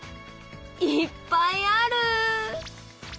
いっぱいある！